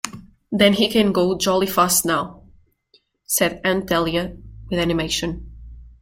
"Then he can go jolly fast now," said Aunt Dahlia with animation.